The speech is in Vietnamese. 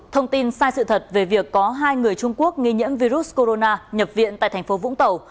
thông tin sai sự thật về việc có hai người trung quốc nghi nhiễm virus corona nhập viện tại thành phố vũng tàu